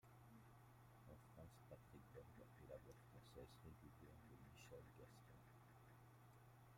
En France, Patrick Borg est la voix française régulière de Michael Gaston.